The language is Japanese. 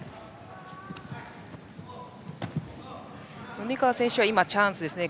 米川選手はチャンスですね。